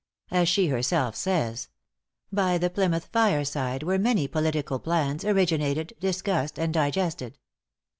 As she herself says, "by the Plymouth fireside were many political plans originated, discussed, and digested."